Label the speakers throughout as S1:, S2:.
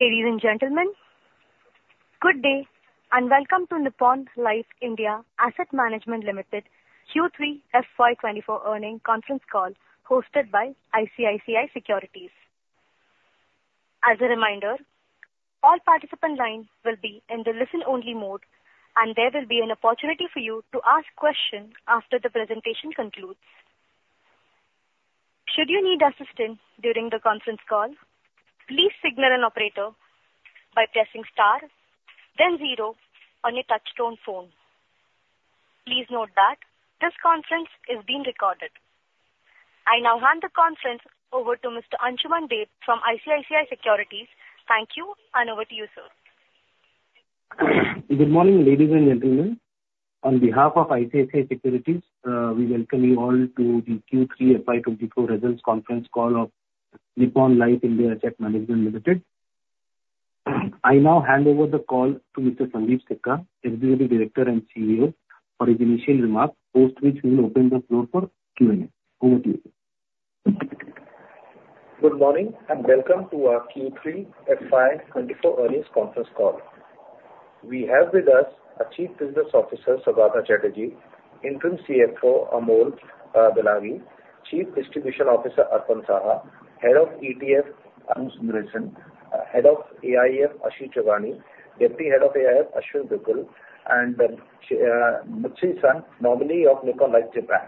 S1: Ladies and gentlemen, good day and welcome to Nippon Life India Asset Management Limited Q3 FY 2024 Earnings Conference Call hosted by ICICI Securities. As a reminder, all participants' lines will be in the listen-only mode, and there will be an opportunity for you to ask questions after the presentation concludes. Should you need assistance during the conference call, please signal an operator by pressing star, then zero on your touch-tone phone. Please note that this conference is being recorded. I now hand the conference over to Mr. Ansuman Deb from ICICI Securities. Thank you, and over to you, sir.
S2: Good morning, ladies and gentlemen. On behalf of ICICI Securities, we welcome you all to the Q3 FY 2024 results conference call of Nippon Life India Asset Management Limited. I now hand over the call to Mr. Sundeep Sikka, Executive Director and CEO, for his initial remarks, post which we will open the floor for Q&A. Over to you.
S3: Good morning and welcome to our Q3 FY 2024 Earnings Conference Call. We have with us Chief Business Officer Saugata Chatterjee, Interim CFO Amol Bilagi, Chief Distribution Officer Arpanarghya, Head of ETF Arun Sundaresan, Head of AIF Ashwin Dugal, Deputy Head of AIF Ashwin Dugal, and Muthishan Nominee of Nippon Life Japan.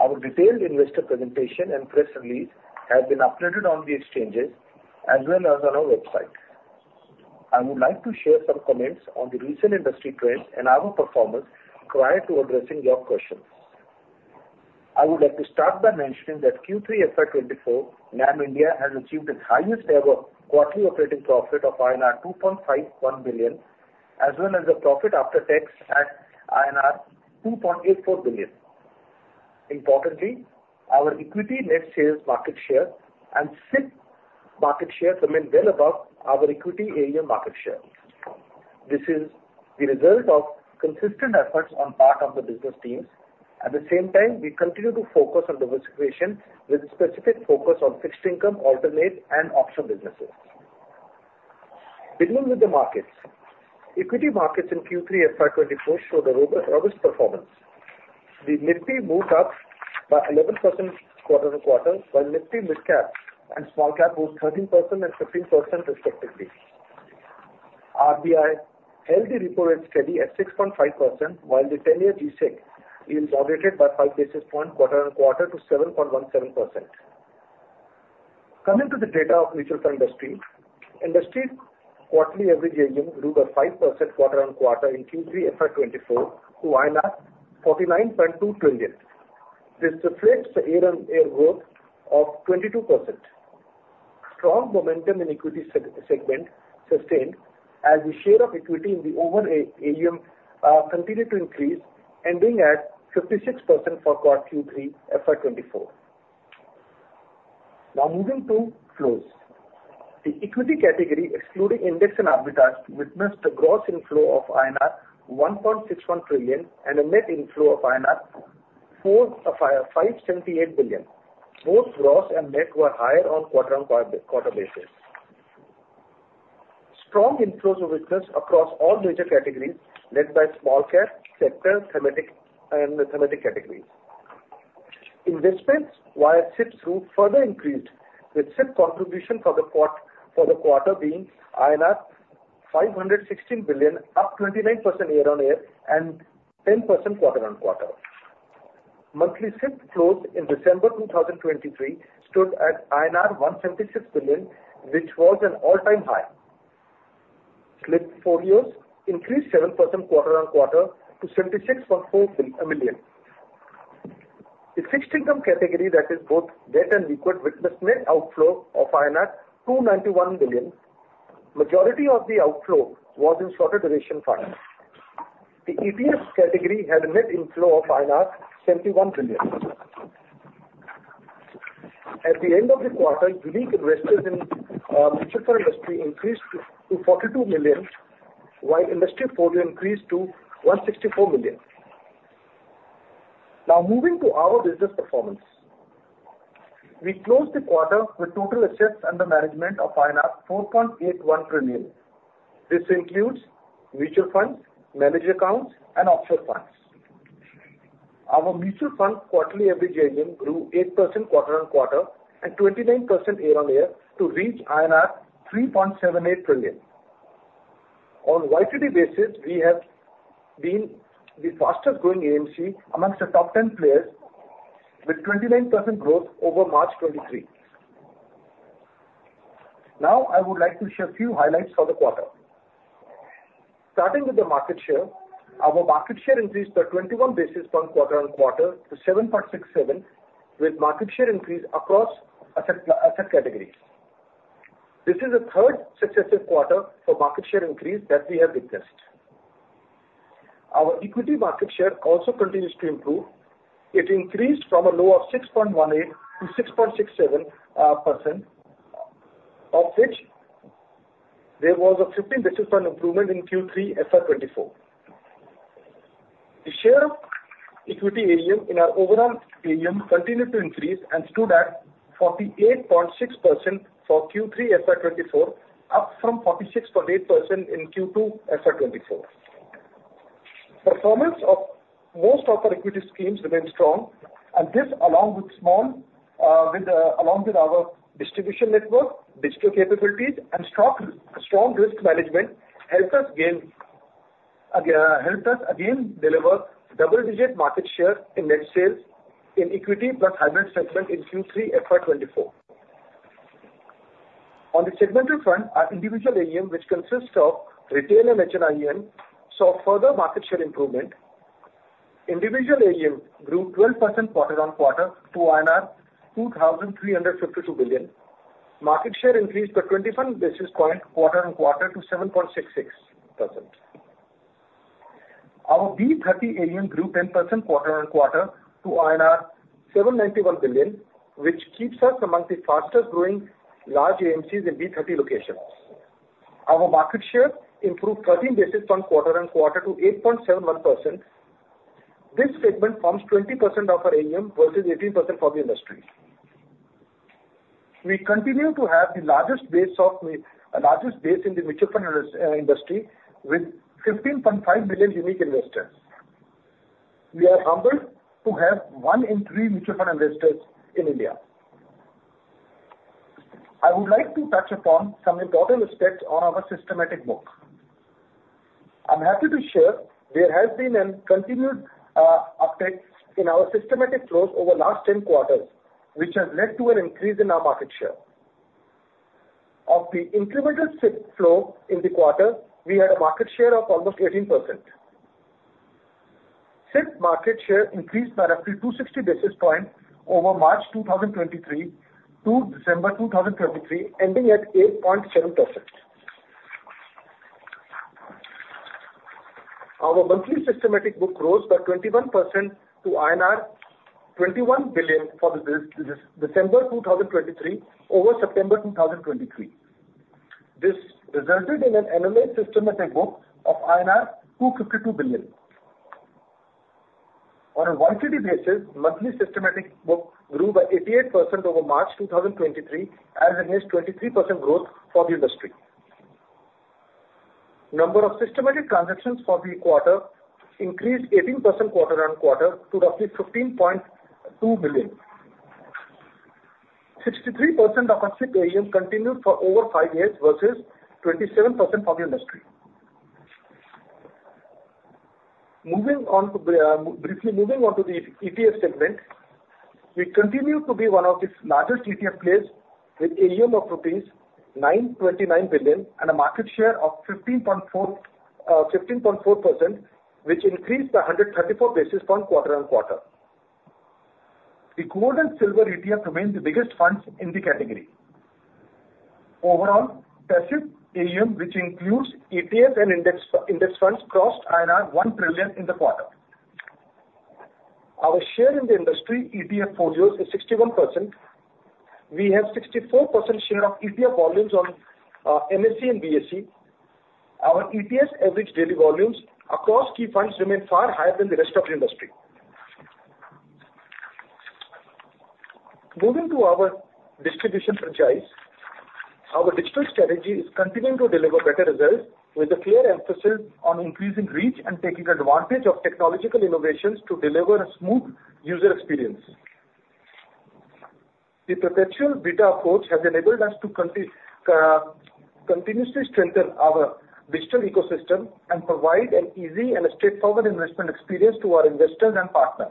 S3: Our detailed investor presentation and press release have been uploaded on the exchanges as well as on our website. I would like to share some comments on the recent industry trends and our performance prior to addressing your questions. I would like to start by mentioning that in Q3 FY 2024, NAM India has achieved its highest-ever quarterly operating profit of 2.51 billion, as well as a profit after tax at INR 2.84 billion. Importantly, our equity net sales market share and fixed income market share remain well above our equity AUM market share. This is the result of consistent efforts on the part of the business team. At the same time, we continue to focus on diversification with a specific focus on fixed income, alternative, and offshore businesses. Beginning with the markets, equity markets in Q3 FY 2024 showed a robust performance. The Nifty moved up by 11% quarter-over-quarter, while Nifty mid-cap and small-cap moved 13% and 15%, respectively. RBI held the repo rate steady at 6.5%, while the 10-year G-Sec increased by 5 basis points quarter-over-quarter to 7.17%. Coming to the data of mutual fund industry, industry quarterly average AUM grew by 5% quarter-on-quarter in Q3 FY 2024 to INR 49.22. This reflects a year-on-year growth of 22%. Strong momentum in equity segments sustained as the share of equity in the overall AUM continued to increase, ending at 56% for Q3 FY 2024. Now moving to flows. The equity category, excluding index and arbitrage, witnessed a gross inflow of INR 1.61 trillion and a net inflow of 578 billion. Both gross and net were higher on quarter-on-quarter basis. Strong inflows were witnessed across all major categories led by small-cap, sector, and thematic categories. Investments via SIPs route further increased, with SIPs contribution for the quarter being INR 516 billion, up 29% year-on-year and 10% quarter-on-quarter. Monthly SIPs growth in December 2023 stood at INR 176 billion, which was an all-time high. SIP folios increased 7% quarter-on-quarter to 76.4 million. The fixed income category, that is both debt and liquid, witnessed net outflow of 291 billion. The majority of the outflow was in short-term duration funds. The ETF category had a net inflow of INR 71 billion. At the end of the quarter, unique investors in mutual fund industry increased to 42 million, while investor portfolio increased to 164 million. Now moving to our business performance. We closed the quarter with total assets under management of 4.81 trillion. This includes mutual funds, managed accounts, and AIFs. Our mutual funds quarterly average AUM grew 8% quarter-on-quarter and 29% year-on-year to reach INR 3.78 trillion. On a YTD basis, we have been the fastest-growing AMC amongst the top 10 players, with 29% growth over March 2023. Now I would like to share a few highlights for the quarter. Starting with the market share, our market share increased by 21 basis points quarter on quarter to 7.67, with market share increase across asset categories. This is the third successive quarter for market share increase that we have witnessed. Our equity market share also continues to improve. It increased from a low of 6.18- 6.67%, of which there was a 15 basis point improvement in Q3 FY 2024. The share of equity AUM in our overall AUM continued to increase and stood at 48.6% for Q3 FY 2024, up from 46.8% in Q2 FY 2024. Performance of most of our equity schemes remained strong, and this, along with our distribution network, digital capabilities, and strong risk management, helped us again deliver double-digit market share in net sales in equity plus hybrid segment in Q3 FY 2024. On the segmental fund, our individual AUM, which consists of retail and HNI, saw further market share improvement. Individual AUM grew 12% quarter-on-quarter to 2,352 billion. Market share increased by 25 basis points quarter-on-quarter to 7.66%. Our B30 AUM grew 10% quarter-on-quarter to INR 791 billion, which keeps us among the fastest-growing large AMCs in B30 locations. Our market share improved 13 basis points quarter-on-quarter to 8.71%. This segment forms 20% of our AUM versus 18% of the industry. We continue to have the largest base in the mutual fund industry with 15.5 million unique investors. We are humbled to have one in three mutual fund investors in India. I would like to touch upon some important aspects of our systematic book. I'm happy to share there has been a continued uptake in our systematic flows over the last 10 quarters, which has led to an increase in our market share. Of the incremental SIPS flow in the quarter, we had a market share of almost 18%. SIPS market share increased by roughly 260 basis points over March 2023-December 2023, ending at 8.7%. Our monthly systematic book rose by 21% to INR 21 billion for December 2023 over September 2023. This resulted in an annualized systematic book of INR 252 billion. On a YTD basis, monthly systematic book grew by 88% over March 2023, as it has 23% growth for the industry. The number of systematic transactions for the quarter increased 18% quarter-over-quarter to roughly 15.2 million. 63% of our SIPS AUM continued for over five years versus 27% for the industry. Briefly moving on to the ETF segment, it continued to be one of the largest ETF players with AUM of rupees 929 billion and a market share of 15.4%, which increased by 134 basis points quarter-on-quarter. The gold and silver ETF remains the biggest funds in the category. Overall, passive AUM, which includes ETFs and index funds, crossed 1 trillion in the quarter. Our share in the industry ETF portfolio is 61%. We have 64% share of ETF volumes on NSE and BSE. Our ETFs average daily volumes across key funds remain far higher than the rest of the industry. Moving to our distribution franchise, our digital strategy is continuing to deliver better results with a clear emphasis on increasing reach and taking advantage of technological innovations to deliver a smooth user experience. The perpetual beta approach has enabled us to continuously strengthen our digital ecosystem and provide an easy and straightforward investment experience to our investors and partners.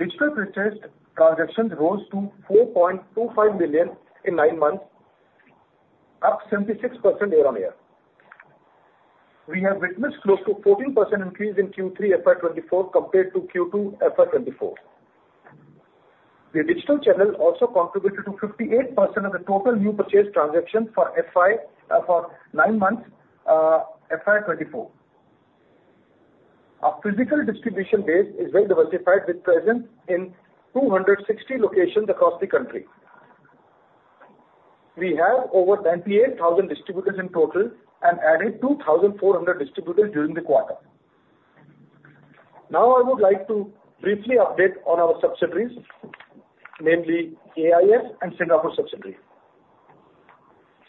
S3: Digital transactions rose to 4.25 million in nine months, up 76% year-on-year. We have witnessed close to a 14% increase in Q3 FY 2024 compared to Q2 FY 2024. The digital channel also contributed to 58% of the total new purchase transactions for nine months FY 2024. Our physical distribution base is well diversified, with presence in 260 locations across the country. We have over 98,000 distributors in total and added 2,400 distributors during the quarter. Now I would like to briefly update on our subsidiaries, namely AIF and Singapore Subsidiaries.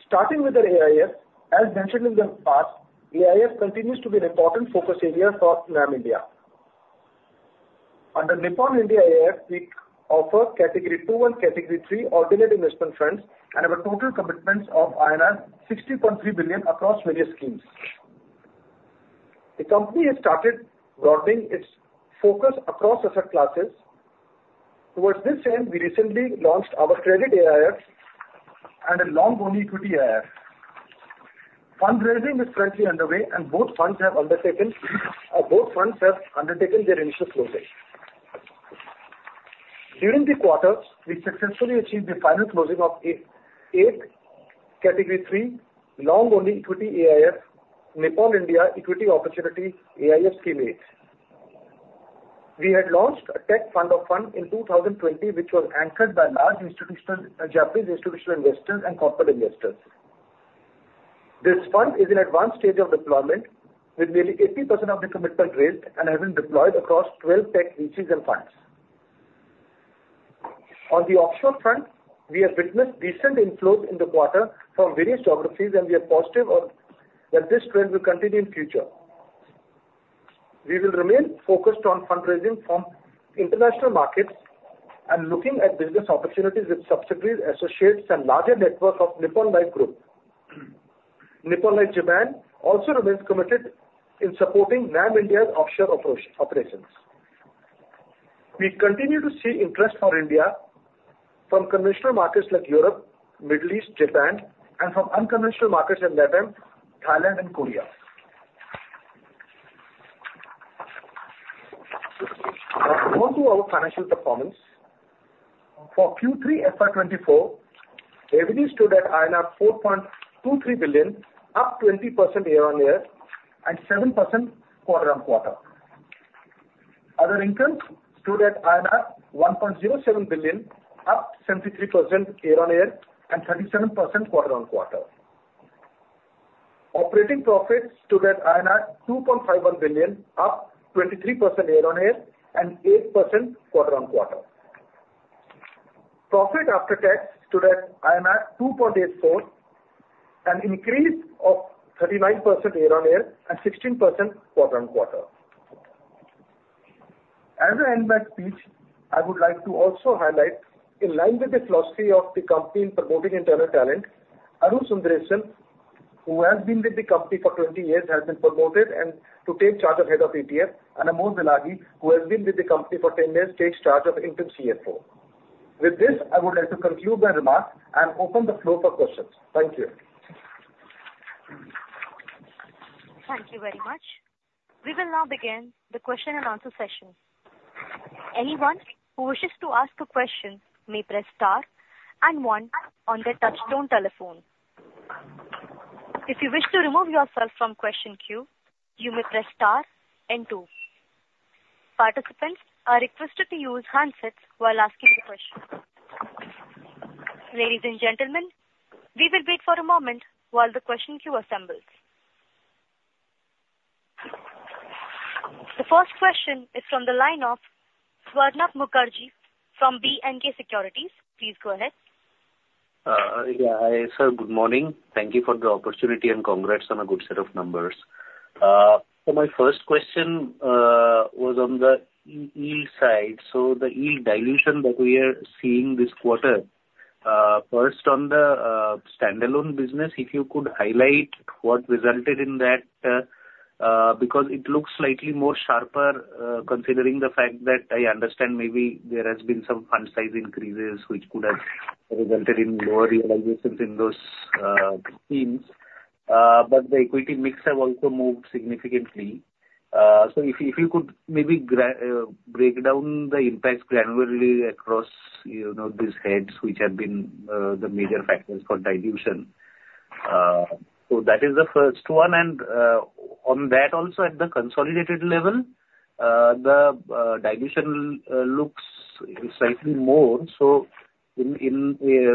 S3: Starting with the AIF, as mentioned in the past, AIF continues to be an important focus area for NAM India. Under Nippon India AIF, we offer category 2 and category 3 alternative investment funds and have a total commitment of INR 60.3 billion across various schemes. The company has started broadening its focus across asset classes. Towards this end, we recently launched our credit AIF and a long-only equity AIF. Fundraising is currently underway, and both funds have undertaken their initial closings. During the quarter, we successfully achieved the final closing of eight category 3 long-only equity AIF, Nippon India Equity Opportunities AIF scheme 8. We had launched a tech fund of funds in 2020, which was anchored by large Japanese institutional investors and corporate investors. This fund is in an advanced stage of deployment, with nearly 80% of the commitment raised and has been deployed across 12 tech ETFs and funds. On the optional fund, we have witnessed decent inflows in the quarter from various geographies, and we are positive that this trend will continue in the future. We will remain focused on fundraising from the international market and looking at business opportunities with subsidiaries associated and a larger network of Nippon Life Group. Nippon Life Japan also remains committed in supporting NAM India's offshore operations. We continue to see interest for India from conventional markets like Europe, the Middle East, Japan, and from unconventional markets in Nepal, Thailand, and Korea. Backbone to our financial performance. For Q3 FY 2024, revenues stood at INR 4.23 billion, up 20% year-on-year and 7% quarter-on-quarter. Other income stood at INR 1.07 billion, up 73% year-on-year and 37% quarter-on-quarter. Operating profit stood at INR 2.51 billion, up 23% year-on-year and 8% quarter-on-quarter. Profit after tax stood at 2.84, an increase of 39% year-on-year and 16% quarter-on-quarter. As an end-of-speech, I would like to also highlight, in line with the philosophy of the company in promoting internal talent, Arun Sundaresan, who has been with the company for 20 years, has been promoted to take charge of Head of ETF, and Amol Bilagi, who has been with the company for 10 years, takes charge of interim CFO. With this, I would like to conclude my remark and open the floor for questions.
S1: Thank you. Thank you very much. We will now begin the question and answer session. Anyone who wishes to ask a question may press star and one on their touch-tone telephone. If you wish to remove yourself from question queue, you may press star and two. Participants are requested to use handsets while asking the question. Ladies and gentlemen, we will wait for a moment while the question queue assembles. The first question is from the line of Swarnabh Mukherjee from B&K Securities. Please go ahead.
S4: Yeah, sir, good morning. Thank you for the opportunity and congrats on a good set of numbers. For my first question, was on the yield side. So the yield dilution that we are seeing this quarter, first on the, standalone business, if you could highlight what resulted in that, because it looks slightly more sharper, considering the fact that I understand maybe there have been some fund size increases which could have resulted in lower realizations in those, schemes. but the equity mix have also moved significantly. so if you, if you could maybe, break down the impacts granularly across, you know, these heads, which have been, the major factors for dilution. so that is the first one. On that also, at the consolidated level, the dilution looks slightly more.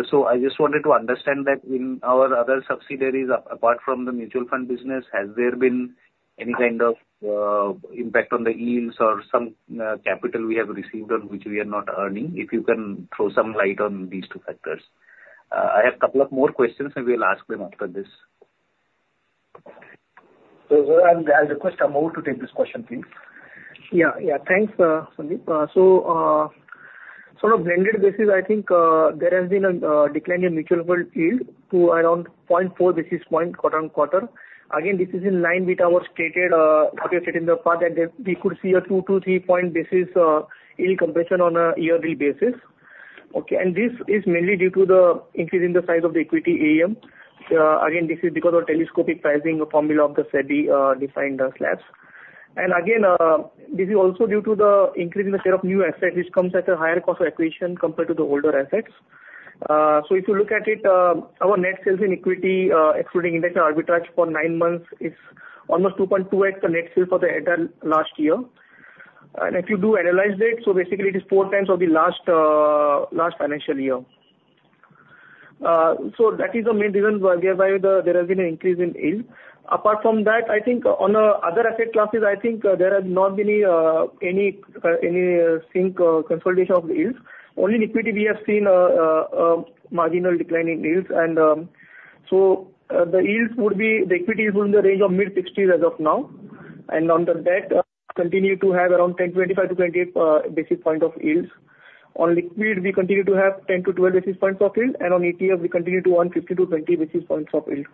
S4: So, I just wanted to understand that in our other subsidiaries, apart from the mutual fund business, has there been any kind of impact on the yields or some capital we have received on which we are not earning? If you can throw some light on these two factors. I have a couple of more questions, and we'll ask them after this.
S3: So I'll request Amol to take this question, please.
S5: Yeah, yeah, thanks, Sundeep. So, sort of blended basis, I think, there has been a decline in mutual fund yield to around 0.4 basis point quarter-on-quarter. Again, this is in line with our stated how we have stated in the fund that we could see a 2 basis points-3 basis points yield compression on a year-to-year basis. Okay, and this is mainly due to the increase in the size of the equity AUM. Again, this is because of telescopic pricing formula of the SEBI-defined slabs. And again, this is also due to the increase in the share of new assets, which comes at a higher cost of acquisition compared to the older assets. So if you look at it, our net sales in equity, excluding index arbitrage for nine months, is almost 2.2x the net sales for the end of last year. And if you do analyze it, so basically it is 4x of the last financial year. So that is the main reason why there has been an increase in yield. Apart from that, I think on the other asset classes, I think there have not been any significant consolidation of the yields. Only in equity, we have seen marginal declining yields. So the yields would be the equity is within the range of mid-60s as of now. And under that, continue to have around 10.25 basis points-28 basis points of yields. On liquid, we continue to have 10 basis points-12 basis points of yield. And on ETF, we continue to own 15 basis points-20 basis points of yield.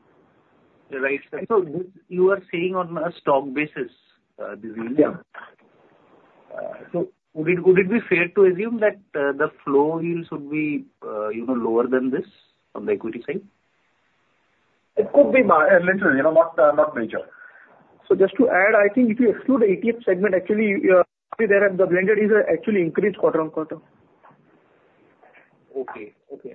S4: Right. And so you are seeing on a stock basis the yields.
S5: Yeah.
S4: So would it be fair to assume that the flow yields would be, you know, lower than this on the equity side?
S5: It could be. Less so, you know, not major. So just to add, I think if you exclude the ETF segment, actually, there the blended is actually increased quarter-over-quarter.
S4: Okay, okay.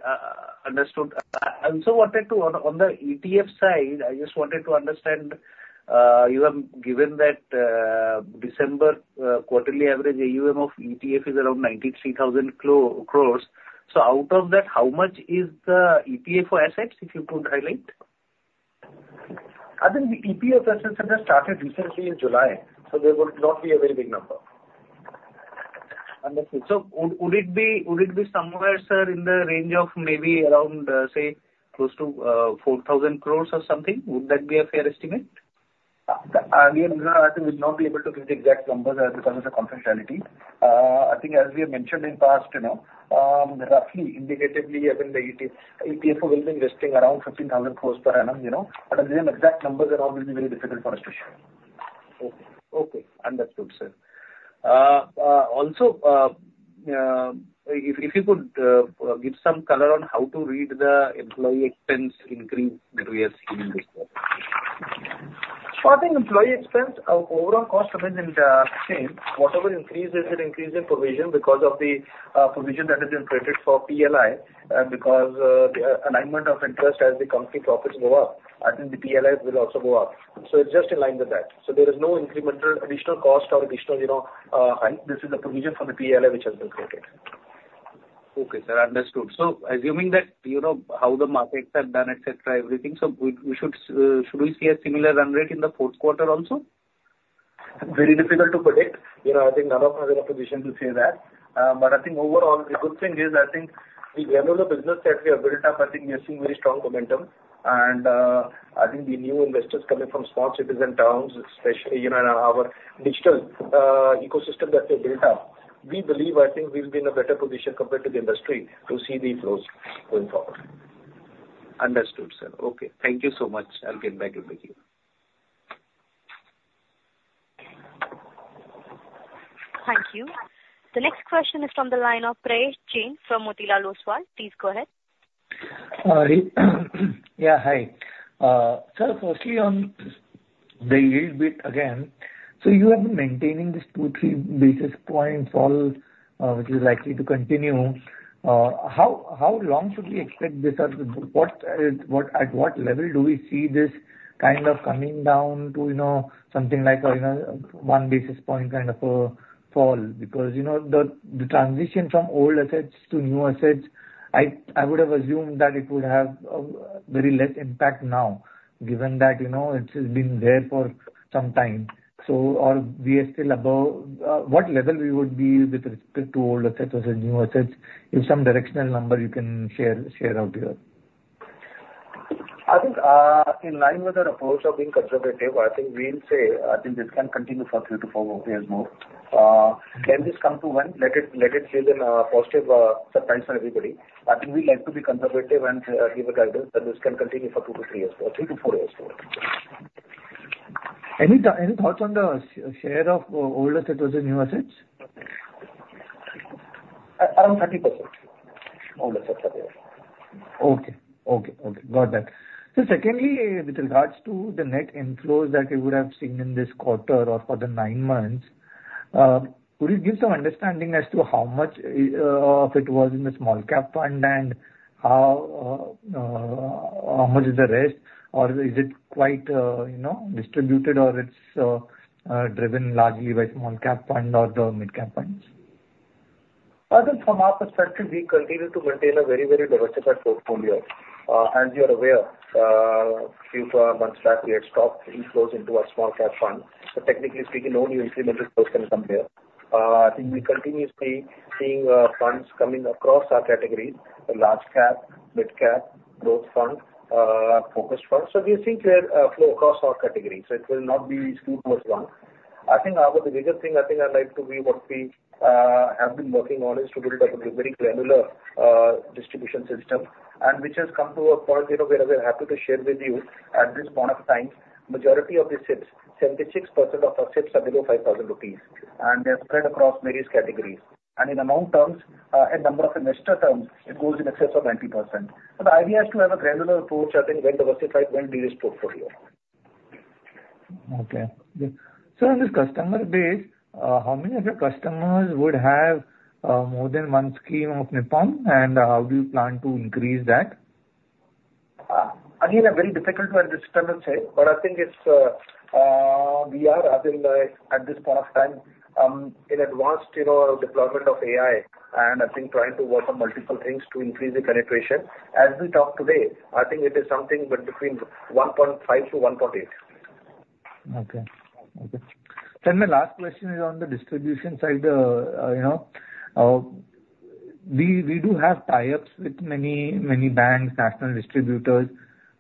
S4: Understood. I also wanted to, on the ETF side, I just wanted to understand, you have given that December quarterly average AUM of ETF is around 93,000 crore. So out of that, how much is the ETF for assets, if you could highlight?
S5: I think the EPF has just started recently in July, so there would not be a very big number.
S4: Understood. So would it be, would it be somewhere, sir, in the range of maybe around, say, close to 4,000 crore or something? Would that be a fair estimate?
S5: Again, I think we'd not be able to give the exact numbers because of the confidentiality. I think, as we have mentioned in the past, you know, roughly, indicatively, ETF will be resting around 15,000 crore per annum, you know. But the exact numbers are all going to be very difficult for us to share.
S4: Okay, okay. Understood, sir. Also, if you could give some color on how to read the employee expense increase that we are seeing this quarter.
S5: So I think employee expense, overall cost has been the same. Whatever increase is, it increases in provision because of the provision that has been created for PLI and because the alignment of interest as the company profits go up, I think the PLI will also go up. So it's just in line with that. So there is no incremental additional cost or additional, you know, hike. This is the provision for the PLI which has been created.
S4: Okay, sir. Understood. So assuming that, you know, how the markets have done, etc., everything, so should we see a similar run rate in the fourth quarter also?
S5: Very difficult to predict. You know, I think none of our institutions will say that. But I think overall, the good thing is, I think the overall business that we are building up, I think we are seeing very strong momentum. And I think the new investors coming from small cities and towns, especially, you know, in our digital ecosystem that we have built up, we believe, I think, we'll be in a better position compared to the industry to see the flows going forward.
S4: Understood, sir. Okay. Thank you so much. I'll get back to speaking.
S1: Thank you. The next question is from the line of Pratik Jain from Motilal Oswal. Please go ahead.
S6: Yeah, hi. Sir, firstly, on the yield bit again, so you have been maintaining this 2 basis points-3 basis points all, which is likely to continue. How long should we expect this? What level do we see this kind of coming down to, you know, something like, you know, one basis point kind of a fall? Because, you know, the transition from old assets to new assets, I would have assumed that it would have a very less impact now given that, you know, it has been there for some time. So, or we are still above what level we would be with respect to old assets versus new assets? If some directional number you can share out here.
S5: I think in line with our approach of being conservative, I think we'll say, I think this can continue for two to four years. Can this come to one? Let it stay in a positive surprise for everybody. I think we have to be conservative and have a guidance that this can continue for two to four years or three to four years more.
S6: Any thoughts on the share of old assets versus new assets?
S5: Around 30%. Old assets are there.
S6: Okay, okay, okay. Got that. So secondly, with regards to the net inflows that we would have seen in this quarter or for the nine months, could you give some understanding as to how much of it was in the small cap fund and how much is the rest? Or is it quite, you know, distributed or it's driven largely by small cap funds or the mid cap funds?
S5: I think from our perspective, we continue to maintain a very, very diversified portfolio. As you are aware, a few months back, we had strong inflows into our small cap fund. So technically speaking, only incremental stocks can come there. I think we continuously see funds coming across our categories: large cap, mid cap, growth fund, focused fund. So we think we have a flow across all categories. So it will not be skewed towards one. I think our biggest thing, I think I'd like to be what we have been working on is to build a very granular distribution system and which has come to a point where we are happy to share with you at this point of time, the majority of the SIPs, 76% of our SIPs are below INR 5,000 and they have spread across various categories. And in amount terms, in number of investor terms, it goes in excess of 90%. But I think we have to have a granular approach. I think when diversified, when de-risk portfolio.
S6: Okay. So on this customer base, how many of your customers would have more than one scheme of Nippon and how do you plan to increase that?
S5: Again, very difficult at this time to say, but I think we are rather at this point of time in advanced development of AIF and I think trying to work on multiple things to increase the connectivity. As we talk today, I think it is something between 1.5-1.8. Okay, okay.
S6: Then my last question is on the distribution side. You know, we do have tie-ups with many, many banks, national distributors,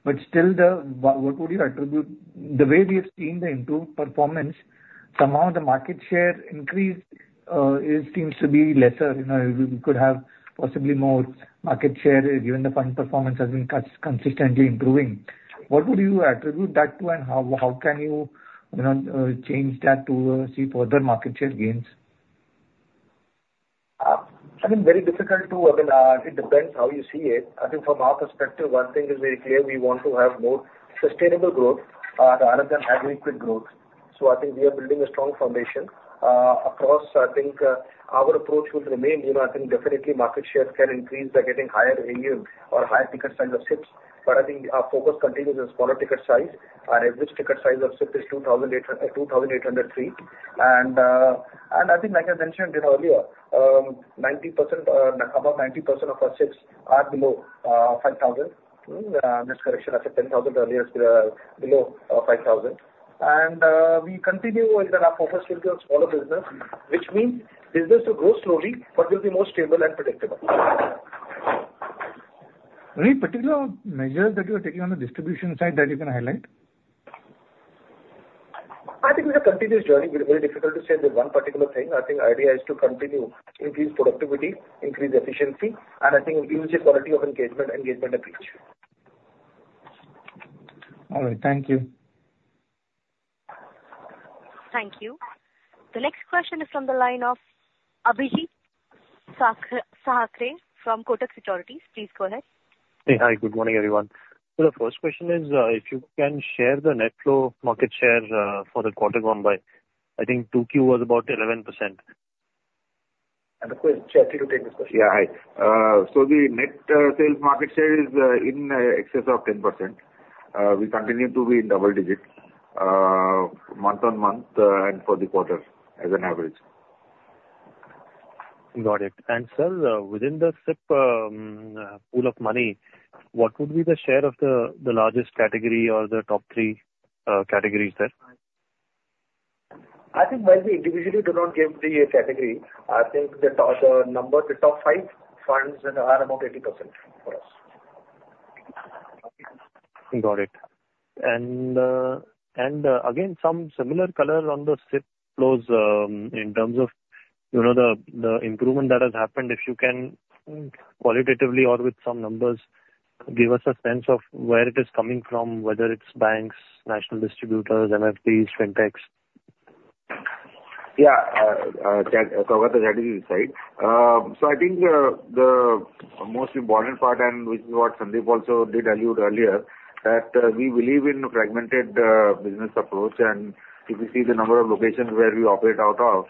S6: but still, what would you attribute the way we have seen the improved performance? Somehow the market share increase seems to be lesser. You know, we could have possibly more market share given the fund performance has been consistently improving. What would you attribute that to and how can you, you know, change that to see further market share gains?
S5: I think very difficult to—I mean, it depends how you see it. I think from our perspective, one thing is very clear. We want to have more sustainable growth rather than heavy quick growth. So I think we are building a strong foundation. Across, I think our approach will remain. You know, I think definitely market share can increase by getting higher AUM or higher ticket size of SIPs. But I think our focus continues on smaller ticket size. And at this ticket size of SIP is 2,803. And I think, like I mentioned a bit earlier, 90% or above 90% of our SIPs are below 5,000. This correction of 10,000 earlier is below 5,000. We continue with our focus towards smaller business, which means business will grow slowly, but will be more stable and predictable.
S6: Any particular measures that you are taking on the distribution side that you can highlight?
S5: I think it's a continuous journey. Very difficult to say the one particular thing. I think the idea is to continue increase productivity, increase efficiency, and I think increase quality of engagement, engagement at each.
S6: All right. Thank you.
S1: Thank you. The next question is from the line of Abhijeet Sakhare from Kotak Securities. Please go ahead.
S7: Hey, hi. Good morning, everyone. So the first question is, if you can share the net flow market share for the quarter gone by. I think 2Q was about 11%.
S5: And Saugata Chatterjee to take this question.
S8: Yeah, hi. So the net sales market share is in excess of 10%. We continue to be in double-digit month-on-month and for the quarter as an average.
S7: Got it. And sir, within the SIP pool of money, what would be the share of the largest category or the top three categories there?
S8: I think while we individually do not give the category, I think the number, the top five funds that are about 80% for us.
S7: Got it. And again, some similar color on the SIP flows in terms of, you know, the improvement that has happened. If you can qualitatively or with some numbers give us a sense of where it is coming from, whether it's banks, national distributors, MFDs, fintechs.
S8: Yeah, cover the strategy side. So I think the most important part, and which is what Sundeep also did allude earlier, that we believe in a fragmented business approach. If you see the number of locations where we operate out of,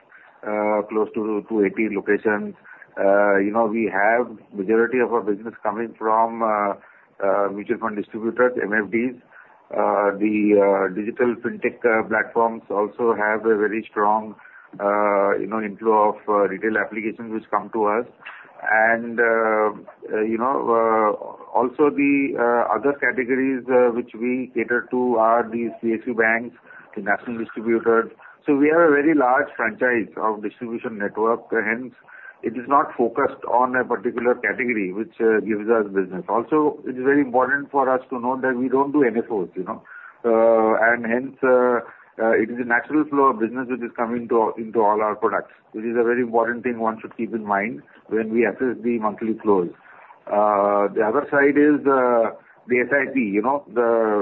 S8: close to 280 locations, you know, we have the majority of our business coming from mutual fund distributors, MFDs. The digital fintech platforms also have a very strong, you know, inflow of retail applications which come to us. And, you know, also the other categories which we cater to are these PSU banks, the national distributors. So we have a very large franchise of distribution network. Hence, it is not focused on a particular category which gives us business. Also, it is very important for us to note that we don't do NFOs, you know. And hence, it is a natural flow of business which is coming into all our products, which is a very important thing one should keep in mind when we assess the monthly flows. The other side is the SIP, you know.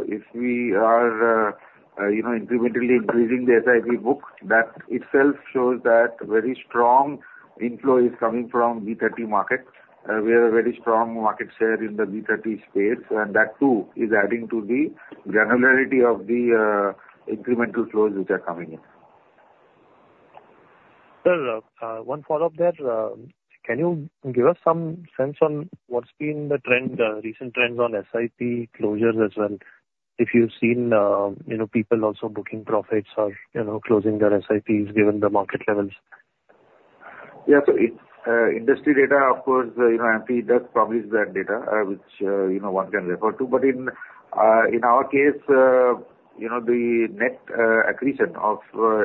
S8: If we are, you know, incrementally increasing the SIP book, that itself shows that very strong inflow is coming from B30 markets. We have a very strong market share in the B30 space. And that too is adding to the granularity of the incremental flows which are coming in.
S7: Sir, one follow-up there. Can you give us some sense on what's been the trend, recent trends on SIP closures as well? If you've seen, you know, people also booking profits or, you know, closing their SIPs given the market levels.
S8: Yeah, so industry data, of course, you know, AMFI does publish that data which, you know, one can refer to. But in our case, you know, the net accretion of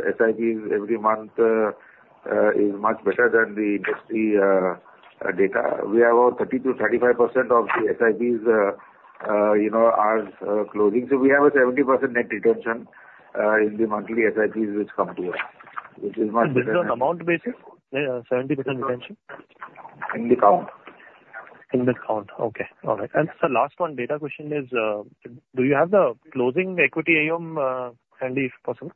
S8: SIPs every month is much better than the industry data. We have about 30%-35% of the SIPs, you know, are closing. So we have a 70% net retention in the monthly SIPs which come to us, which is much better.
S7: Is that amount basis? 70% retention?
S8: In the count.
S7: In the count. Okay. All right. And sir, last one data question is, do you have the closing equity AUM and if possible?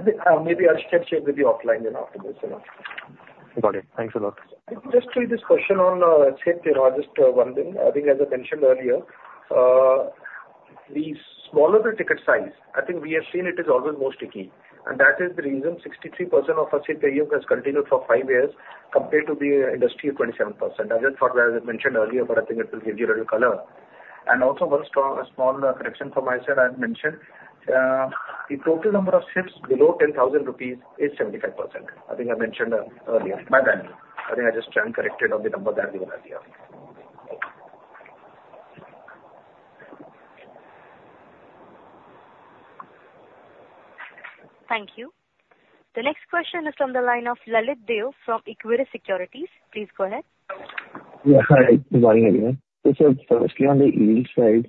S8: Maybe I'll share with you offline, you know.
S7: Got it. Thanks a lot.
S3: I could just read this question on SIP, Thilo just one thing. I think as I mentioned earlier, the smaller the ticket size, I think we have seen it is always more sticky. And that is the reason 63% of our SIP AUM has continued for five years compared to the industry of 27%. That's just for, as I mentioned earlier, but I think it will give you a little color. Also one small correction from my side. I had mentioned, the total number of SIPs below 10,000 rupees is 75%. I think I mentioned earlier by bank. I think I just jump corrected on the number that we were at here.
S1: Thank you. The next question is from the line of Lalit Deo from Equirus Securities. Please go ahead.
S9: Yeah, hi. Good morning, everyone. So, honestly, on the yield side,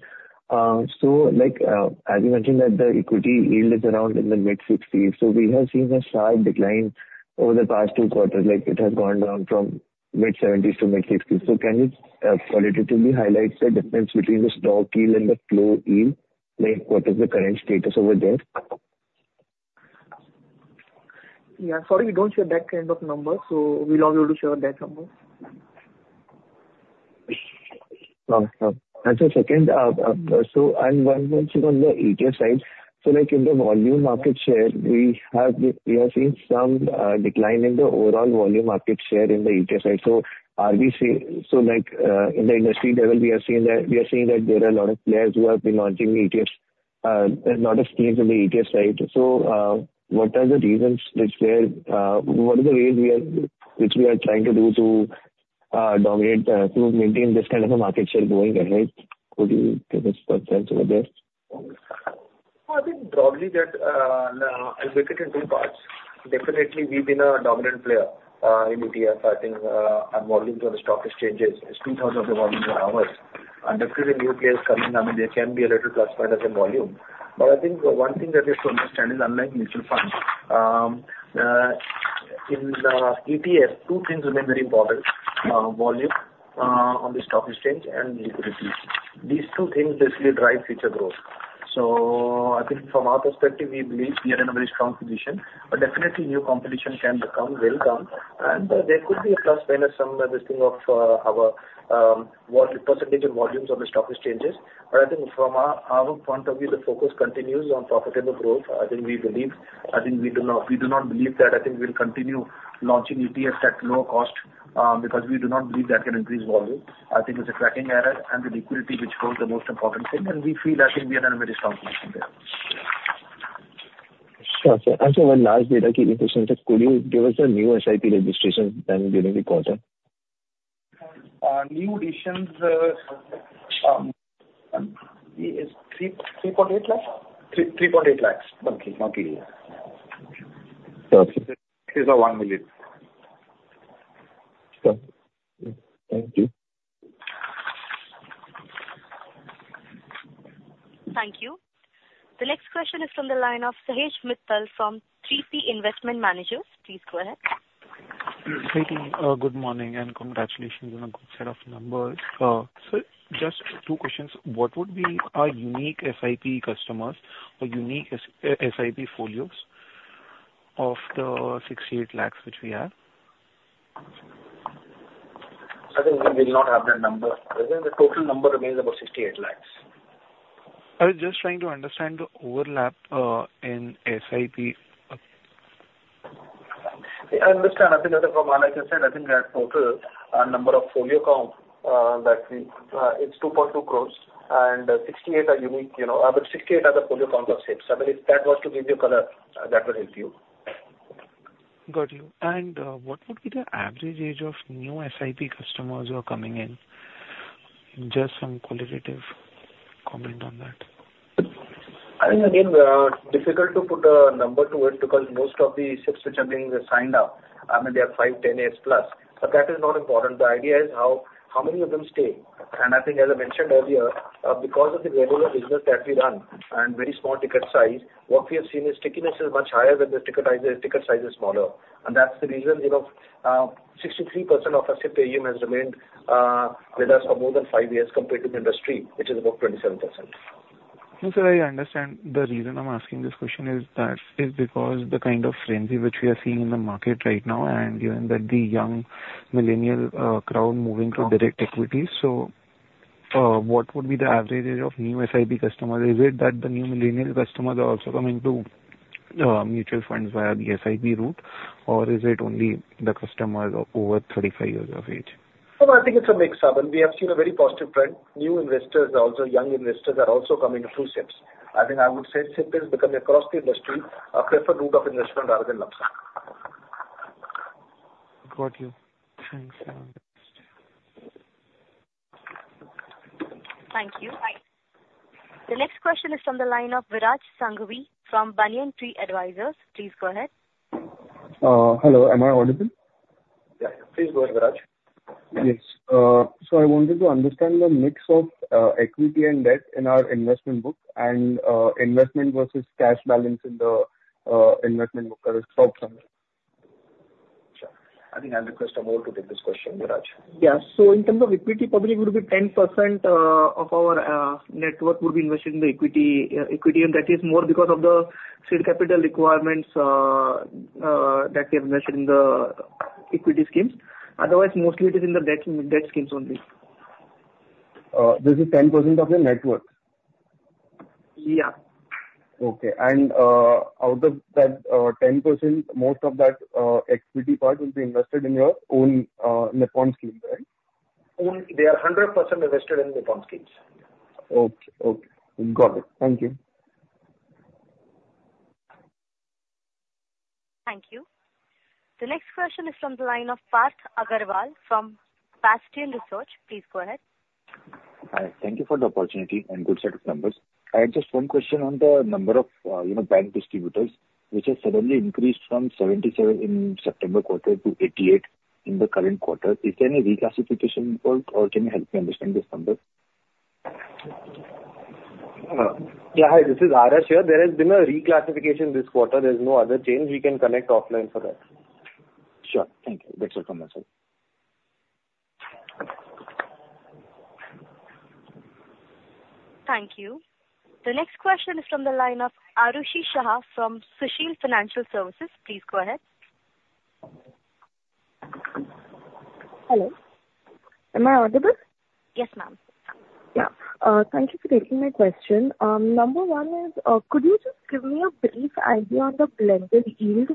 S9: so like as you mentioned that the equity yield is around in the mid-60s. So we have seen a sharp decline over the past two quarters. Like it has gone down from mid-70s to mid-60s. So can you qualitatively highlight the difference between the stock yield and the flow yield? Like what is the current status over there?
S5: Yeah, sorry, we don't share that kind of number. So we'll allow you to share that number.
S9: Actually, second, so one mentioned on the ETF side. So like in the volume market share, we have seen some decline in the overall volume market share in the ETF side. So like in the industry level, we are seeing that there are a lot of players who have been launching ETFs, not as clear from the ETF side. So what are the ways we are trying to do to dominate, to maintain this kind of a market share going ahead? Could you give us some sense over there?
S5: I think broadly that now if we look at it in two parts, definitely we've been a dominant player in ETF. I think our volume through the stock exchanges is 2,000 of the volume through ours. Definitely in ETFs, I mean, there can be a little plus point of the volume. But I think one thing that is to understand, unlike mutual funds, in ETF, two things remain very important: volume on the stock exchange and receipts. These two things basically drive future growth. So I think from our perspective, we believe we are in a very strong position. But definitely new competition can come, will come. And there could be a plus point of some of this thing of our percentage of volumes on the stock exchanges. But I think from our point of view, the focus continues on profitable growth. I think we believe, I think we do not believe that we'll continue launching ETFs at low cost because we do not believe that can increase volume. I think it's a tracking error and the liquidity which flows the most important thing. And we feel, I think, we are in a very strong position there.
S9: Gotcha. And so one last data key interesting thing. Could you give us the new SIP registration time during the quarter?
S5: New additions is INK 3.8 lakh.
S9: INR 3.8 lakh monthly.
S5: Monthly.
S9: Okay.
S5: This is one million.
S9: Thank you.
S1: Thank you. The next question is from the line of Sahaj Mittal from 3P Investment Managers. Please go ahead.
S10: Saugata, good morning and congratulations on a good set of numbers. So just two questions. What would be our unique SIP customers or unique SIP folios of the 68 lakh which we have?
S8: I think we will not have that number. The total number remains about 68 lakh.
S10: I was just trying to understand the overlap in SIP.
S8: I understand. I think as Arpanarghya said, I think that total number of folio count that we—it's 2.2 crore and 68 are unique, you know. But 68 are the folio counts of SIPs. I mean, if that was to give you color, that would help you.
S10: Got you. And what would be the average age of new SIP customers who are coming in? Just some qualitative comment on that.
S8: I think again, difficult to put a number to it because most of the SIPs which are being assigned now, I mean, they are five, 10 years plus. That is not important. The idea is how many of them stay. And I think, as I mentioned earlier, because of the granular business that we run and very small ticket size, what we have seen is stickiness is much higher when the ticket size is smaller. That's the reason, you know, 63% of our SIP AUM has remained with us for more than five years compared to the industry, which is about 27%.
S10: So sir, I understand the reason I'm asking this question is that is because the kind of frenzy which we are seeing in the market right now and given that the young millennial crowd moving to direct equities. So what would be the average age of new SIP customers? Is it that the new millennial customers are also coming through mutual funds via the SIP route, or is it only the customers over 35 years of age?
S8: I think it's a mixed sub. And we have seen a very positive trend. New investors, also young investors, are also coming through SIPs. I think I would say SIP is becoming across the industry a preferred route of investment rather than lump sum.
S10: Got you. Thanks, Arun Sundaresan.
S1: Thank you. The next question is from the line of Viraj Sanghvi from Banyan Tree Advisors. Please go ahead.
S11: Hello. Am I audible?
S3: Yeah, yeah. Please go ahead, Viraj.
S11: Yes. So I wanted to understand the mix of equity and debt in our investment book and investment versus cash balance in the investment book or stock summary. Sure.
S3: I think I'll request Amol to take this question, Viraj.
S5: Yeah. So in terms of equity, probably it would be 10% of our net worth would be invested in the equity. And that is more because of the seed capital requirements that we have invested in the equity schemes. Otherwise, mostly it is in the debt schemes only.
S11: This is 10% of your net worth?
S5: Yeah.
S11: Okay. And out of that 10%, most of that equity part will be invested in your own Nippon schemes, right?
S5: Own. They are 100% invested in Nippon schemes.
S11: Okay. Okay. Got it. Thank you.
S1: Thank you. The next question is from the line of Parth Agarwal from Pason Research. Please go ahead.
S12: Thank you for the opportunity and good set of numbers. I had just one question on the number of, you know, bank distributors which has suddenly increased from 77 in September quarter to 88 in the current quarter. Is there any reclassification involved, or can you help me understand this number?
S13: Yeah, hi. This is Arpan here. There has been a reclassification this quarter. There's no other change. We can connect offline for that.
S12: Sure. Thank you. That's all from my side.
S1: Thank you. The next question is from the line of Arushi Shah from Sushil Financial Services. Please go ahead.
S14: Hello. Am I audible?
S1: Yes, ma'am.
S14: Yeah. Thank you for taking my question. Number one is, could you just give me a brief idea on the blended yield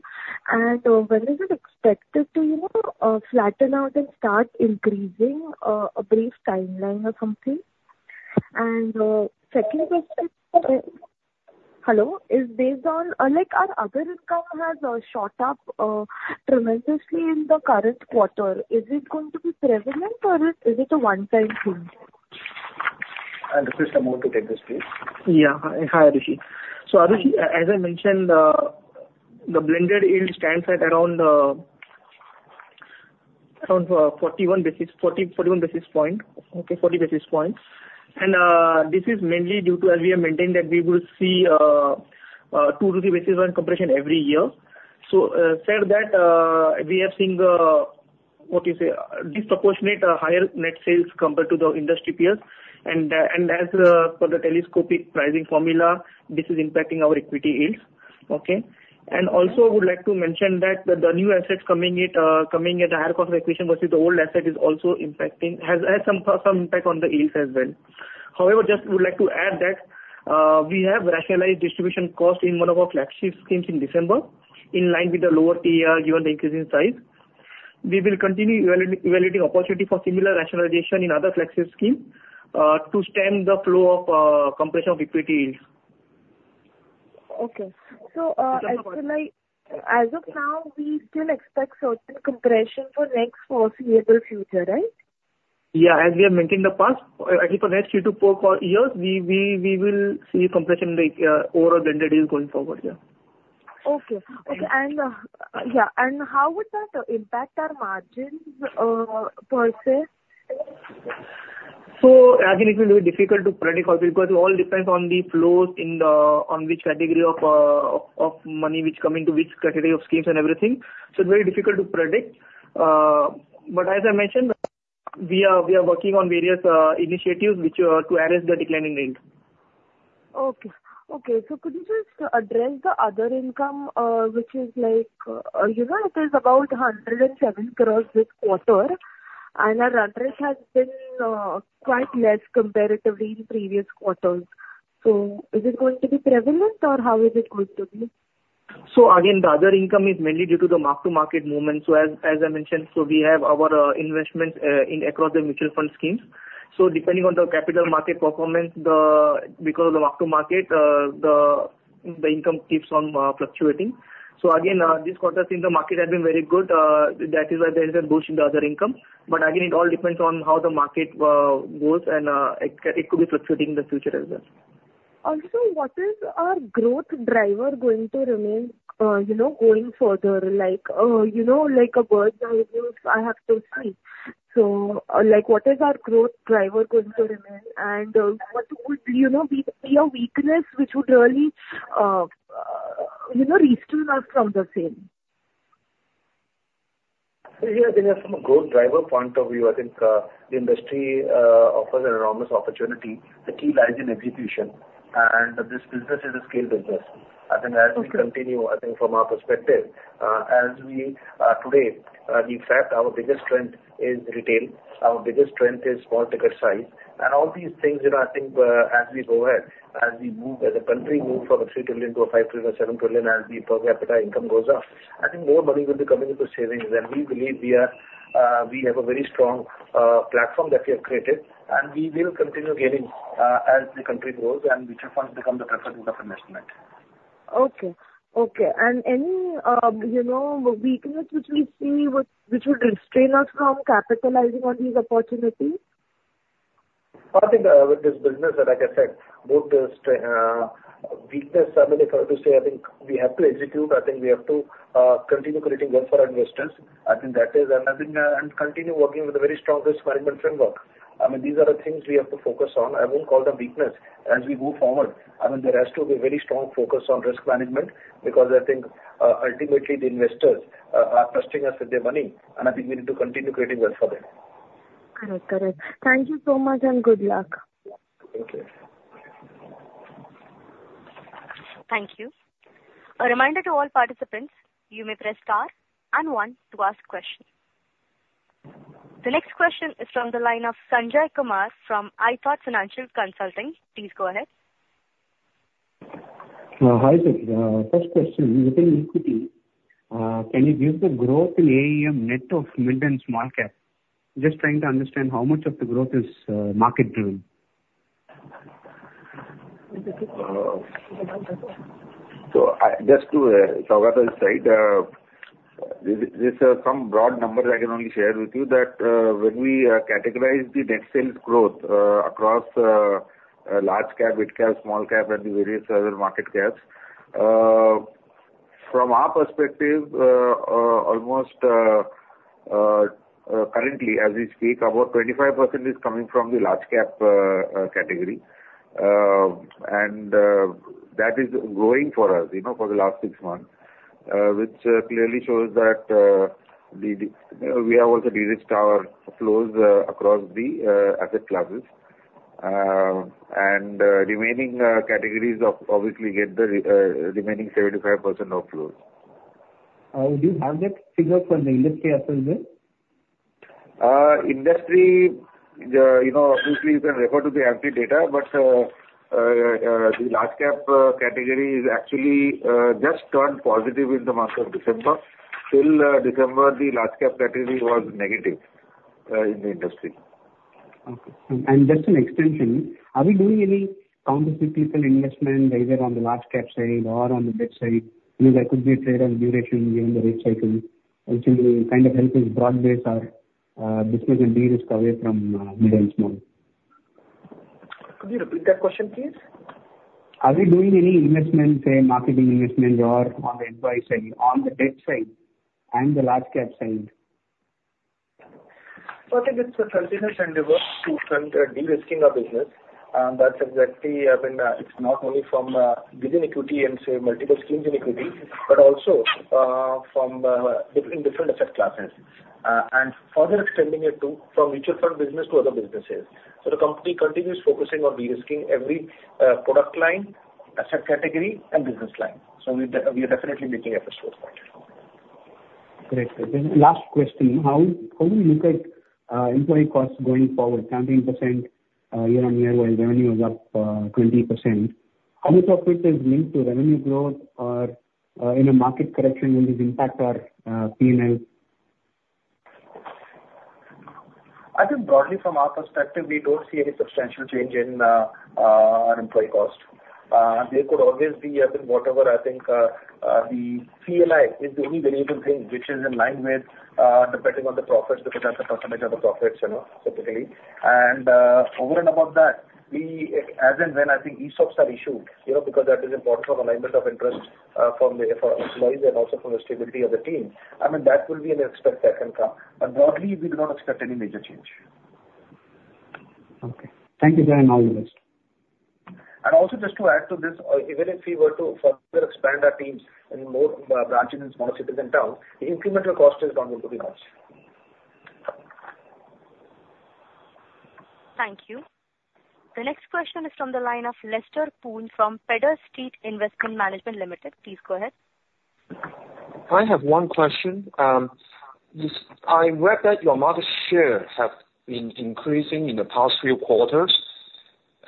S14: and whether it's expected to, you know, flatten out and start increasing a brief timeline or something? And second question is, hello, is based on, like, our other income has shot up tremendously in the current quarter. Is it going to be prevalent, or is it a one-time thing?
S3: I'll request Amol to take this case.
S5: Yeah. Hi, Arushi. So Arushi, as I mentioned, the blended yield stands at around 41 basis points, okay, 40 basis points. And this is mainly due to, as we have maintained, that we will see 2 rupee basis point compression every year. So said that we have seen, what do you say, disproportionate higher net sales compared to the industry peers. And as for the telescopic pricing formula, this is impacting our equity yields, okay? And also I would like to mention that the new assets coming at the higher cost of acquisition versus the old asset is also impacting, has some impact on the yields as well. However, just would like to add that we have rationalized distribution cost in one of our flagship schemes in December in line with the lower TER given the increasing size. We will continue evaluating opportunity for similar rationalization in other flagship schemes to stem the flow of compression of equity yield.
S14: Okay. So as of now, we still expect certain compression for next foreseeable future, right?
S5: Yeah. As we have mentioned in the past, at least for the next two to four years, we will see compression in the overall blended yield going forward, yeah.
S14: Okay. Okay. And yeah. And how would that impact our margins per se?
S5: So again, it will be difficult to predict because it all depends on the flows in the on which category of money which coming to which category of schemes and everything. So it's very difficult to predict. But as I mentioned, we are working on various initiatives to address the declining yield.
S14: Okay. Okay. So could you just address the other income which is like, you know, it is about 107 crore this quarter and our run rate has been quite less comparatively in previous quarters. So is it going to be prevalent, or how is it going to be?
S5: So again, the other income is mainly due to the mark-to-market movement. So as I mentioned, so we have our investments across the mutual fund schemes. So depending on the capital market performance, because of the mark-to-market, the income keeps on fluctuating. So again, this quarter seemed the market has been very good. That is why there is a boost in the other income. But again, it all depends on how the market goes, and it could be fluctuating in the future as well.
S14: Also, what is our growth driver going to remain, you know, going further? Like, you know, like a bird now if I have to fly. So like, what is our growth driver going to remain, and what would, you know, be our weakness which would really, you know, restrain us from the sale?
S3: Yeah. From a growth driver point of view, I think the industry offers an enormous opportunity. The key lies in execution. This business is a scale business. I think I will continue, I think, from our perspective. As we today, in fact, our biggest strength is retail. Our biggest strength is small ticket size. And all these things, you know, I think as we go ahead, as we move, as the country moves from $3 trillion-$5 trillion or $7 trillion, as the per capita income goes up, I think more money will be coming into savings. And we believe we have a very strong platform that we have created, and we will continue gaining as the country grows and mutual funds become the preferred route of investment.
S14: Okay. Okay. And any, you know, weakness which we see which would restrain us from capitalizing on these opportunities?
S3: I think with this business that I just said, both the weakness, I mean, if I were to say, I think we have to execute. I think we have to continue creating growth for our investors. I think that is, and I think, and continue working with a very strong risk management framework. I mean, these are the things we have to focus on. I won't call them weakness as we go forward. I mean, there has to be a very strong focus on risk management because I think ultimately the investors are trusting us with their money, and I think we need to continue creating wealth for them.
S14: All right. Got it. Thank you so much and good luck.
S1: Thank you. A reminder to all participants, you may press star and one to ask questions. The next question is from the line of Sanjay Kumar from ITHOT Financial Consulting. Please go ahead.
S15: Hi, Sid. First question, relating equity, can you give the growth in AUM net of middle and small cap? Just trying to understand how much of the growth is market driven.
S3: So just to Saugata's side, there's some broad numbers I can only share with you that when we categorize the net sales growth across large cap, mid cap, small cap, and the various other market caps, from our perspective, almost currently, as we speak, about 25% is coming from the large cap category. And that is growing for us, you know, for the last six months, which clearly shows that we have also deregistered our flows across the asset classes. And remaining categories obviously get the remaining 75% of flows. Do you have that figure for the industry as well? Industry, you know, obviously you can refer to the AMFI data, but the large cap category is actually just turned positive in the month of December. Till December, the large cap category was negative in the industry.
S15: Okay. Just to extend this, are we doing any counter-cyclical investment either on the large cap side or on the debt side? I mean, there could be a trade-off duration here in the rate cycle which will kind of help us broaden our business and be risk-averse from middle and small.
S3: Could you repeat that question, please?
S15: Are we doing any investment, say, marketing investment or on the equity side, on the debt side and the large cap side?
S3: Perhaps it's a continuous endeavor to further de-risking of business. That's exactly, I mean, it's not only from within equity and say multiple schemes in equity, but also from different asset classes. And further extending it too from mutual fund business to other businesses. So the company continues focusing on de-risking every product line, asset category, and business line. So we are definitely making efforts for that.
S15: Right. Then last question, how do we look at employee costs going forward? 17% year-on-year while revenue is up 20%. How much of it is linked to revenue growth or in a market correction will this impact our P&L?
S3: I think broadly from our perspective, we don't see any substantial change in our employee cost. There could always be other whatever, I think, the PLI is the only variable thing which is in line with depending on the profits, the percentage of profits, you know, typically. And over and above that, as and when, I think ESOPs are issued, you know, because that is important for alignment of interests from the employees and also from the stability of the team. I mean, that will be an expectation come. And broadly, we do not expect any major change.
S15: Okay. Thank you, sir, and all the best.
S3: And also just to add to this, even if we were to further expand our teams in more branches in small cities and towns, the incremental cost is going to be cost.
S1: Thank you. The next question is from the line of Lester Poon from Pedder Street Investment Management Limited. Please go ahead.
S16: I have one question. I read that your market share has been increasing in the past few quarters.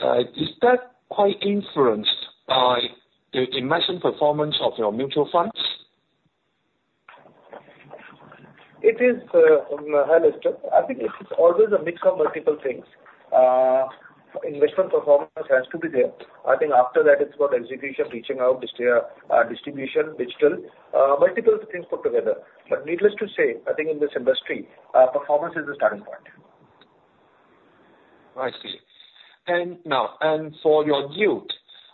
S16: Is that quite influenced by the investment performance of your mutual funds?
S3: It is on a high level. I think it's always a mix of multiple things. Investment performance has to be there. I think after that, it's about execution, reaching out, distribution, digital. Multiple things put together. But needless to say, I think in this industry, performance is the starting point.
S16: I see. And now, and for your yield,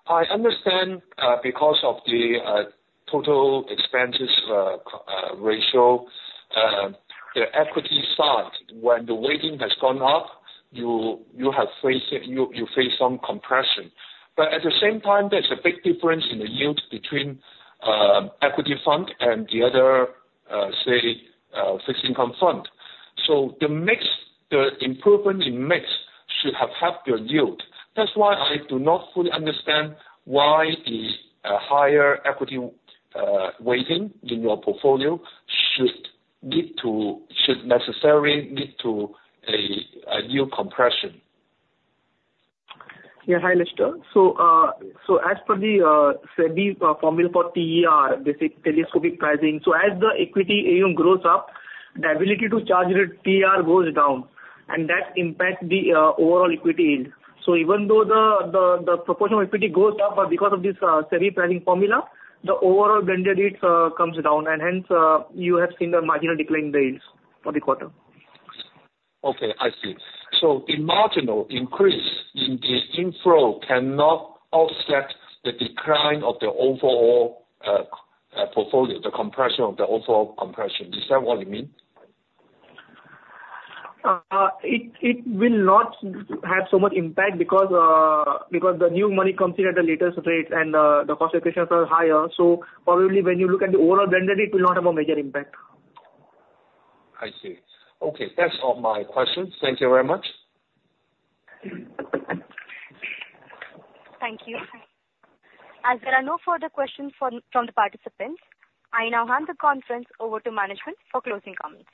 S16: I understand because of the total expense ratio, the equity size, when the weighting has gone up, you have faced some compression. But at the same time, there's a big difference in the yield between equity fund and the other, say, fixed income fund. So the improvement in mix should have helped your yield. That's why I do not fully understand why the higher equity weighting in your portfolio should necessarily lead to a yield compression.
S3: Yeah, hi, Lester. So as per the SEBI formula for TER, basic telescopic pricing, so as the equity AUM grows up, the ability to charge the TER goes down. And that impacts the overall equity yield. So even though the proportion of equity goes up, but because of this SEBI pricing formula, the overall blended yield comes down. Hence, you have seen the marginal decline in the yields for the quarter.
S16: Okay. I see. The marginal increase in the inflow cannot offset the decline of the overall portfolio, the compression of the overall compression. Do you understand what I mean?
S3: It will not have so much impact because the new money comes in at the latest rate, and the concentration is higher. Probably when you look at the overall blended yield, it will not have a major impact.
S16: I see. Okay. That's all my questions. Thank you very much.
S3: Thank you. As there are no further questions from the participants, I now hand the conference over to management for closing comments.